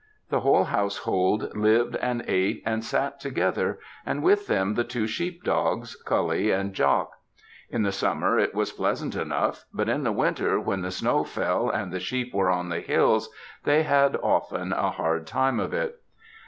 The whole household lived and ate, and sat together, and with them the two sheep dogs, Coully and Jock. In the summer, it was pleasant enough; but in the winter, when the snow fell and the sheep were on the hills, they had often a hard time of it.